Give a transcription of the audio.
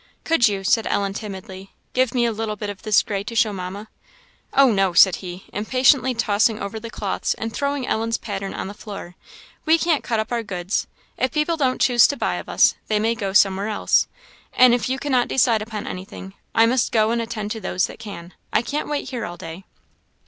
"Could you," said Ellen, timidly, "give me a little bit of this gray to show Mamma!" "Oh, no!" said he, impatiently tossing over the cloths and throwing Ellen's pattern on the floor; "we can't cut up our goods; if people don't choose to buy of us, they may go somewhere else; and if you cannot decide upon anything, I must go and attend to those that can. I can't wait here all day."